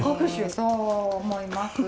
そう思います。